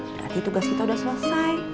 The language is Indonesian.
berarti tugas kita sudah selesai